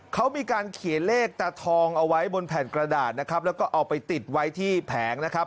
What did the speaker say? เขามีการเขียนเลขตาทองเอาไว้บนแผ่นกระดาษนะครับแล้วก็เอาไปติดไว้ที่แผงนะครับ